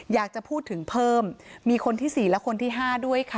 อยากจะพูดถึงเพิ่มมีคนที่๔และคนที่๕ด้วยค่ะ